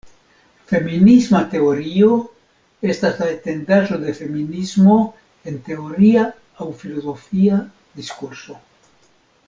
Feminisma teorio estas la etendaĵo de feminismo en teoria aŭ filozofia diskurso.